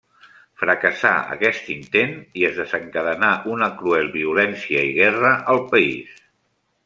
Fracassà aquest intent i es desencadenà una cruel violència i guerra al país.